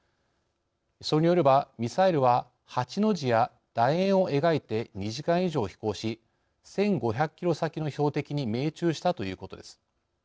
それによればミサイルは８の字やだ円を描いて２時間以上飛行し１，５００キロ先の標的に命中したということです。